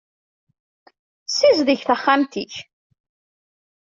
Sizdeg taxxamt-ik.